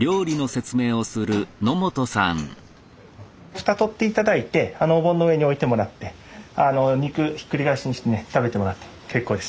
蓋取って頂いてあのお盆の上に置いてもらって肉ひっくり返しにしてね食べてもらって結構です。